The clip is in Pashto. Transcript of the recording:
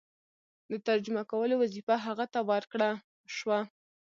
د ترجمه کولو وظیفه هغه ته ورکړه شوه.